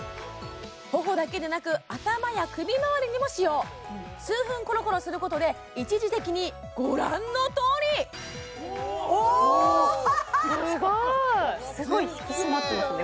頬だけでなく頭や首まわりにも使用数分コロコロすることで一時的にご覧のとおりおおハハハおおすごいすごい引き締まってますね